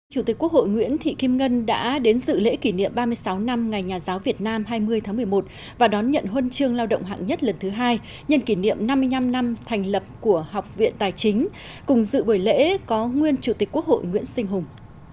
chủ tịch quốc hội nguyễn thị kim ngân đã đến dự lễ kỷ niệm ba mươi sáu năm ngày nhà giáo việt nam hai mươi tháng một mươi một và đón nhận huân chương lao động hạng nhất lần thứ hai nhân kỷ niệm năm mươi năm năm thành lập của học viện tài chính cùng dự buổi lễ có nguyên chủ tịch quốc hội nguyễn sinh hùng